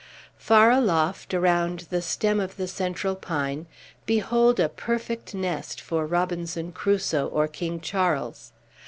Far aloft, around the stem of the central pine, behold a perfect nest for Robinson Crusoe or King Charles!